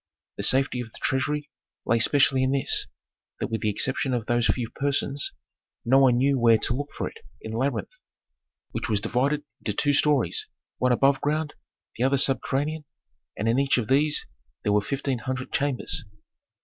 The safety of the treasury lay specially in this: that with the exception of those few persons, no one knew where to look for it in the labyrinth, which was divided into two stories, one above ground, the other subterranean, and in each of these there were fifteen hundred chambers.